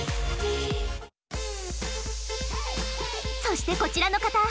そしてこちらの方